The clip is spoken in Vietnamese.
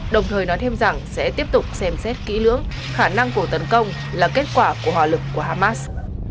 đồng thời nói thêm rằng sẽ tiếp tục xem xét kỹ lưỡng khả năng của tấn công là kết quả của hòa lực của hamas